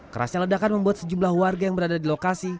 kerasnya ledakan membuat sejumlah warga yang berada di lokasi